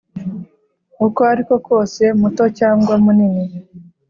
uko ari ko kose muto cyangwa munini